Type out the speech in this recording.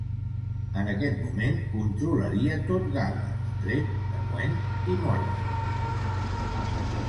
En aquest moment, controlaria tot Gal·les, tret de Gwent i Morgannwg.